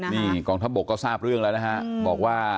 นี่กองทัพบกก็ทราบเรื่องแล้วนะฮะบอกว่า